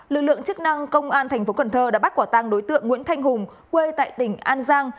lực lượng chức năng công an tp cn đã bắt quả tang đối tượng nguyễn thanh hùng quê tại tỉnh an giang